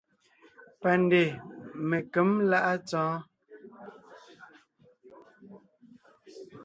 Pandè Menkěm láʼa Tsɔɔ́n.